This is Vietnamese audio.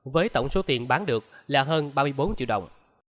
với tổng số tiền bán được là hơn ba mươi bốn triệu đồng